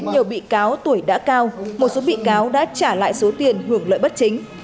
nhiều bị cáo tuổi đã cao một số bị cáo đã trả lại số tiền hưởng lợi bất chính